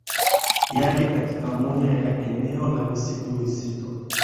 yake katika moja ya eneo la msitu mzito